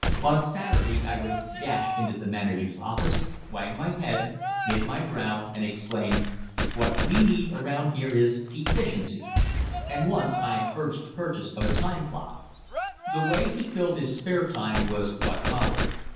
On Saturday I would dash into the manager's office, wag my head, knit my brow, and exclaim, 'What we need around here is efficiency.' And once I urged the purchase of a time clock." The way he filled his spare time was what bothered.